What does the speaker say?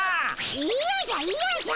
いやじゃいやじゃ！